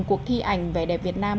cuộc thi ảnh vẻ đẹp việt nam